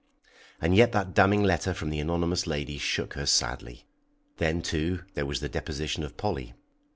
And yet that damning letter from the anonymous lady shook her sadly. Then, too, there was the deposition of Polly.